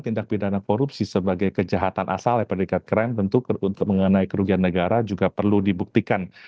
tindak pidana korupsi sebagai kejahatan asal ya predikat kren tentu untuk mengenai kerugian negara juga perlu dibuktikan